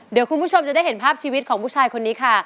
เดี๋ยวคุณผู้ชมจะได้เห็นภาพชีวิตของผู้ชายคนนี้ค่ะ